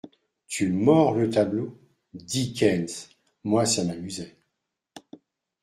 Tu mords le tableau ? Dickens ! Moi, ça m’amusait.